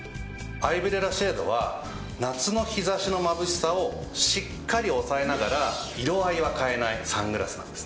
アイブレラシェードは夏の日差しのまぶしさをしっかり抑えながら色合いは変えないサングラスなんですね。